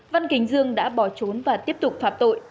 văn kính dương đã bỏ trốn và tiếp tục phạm tội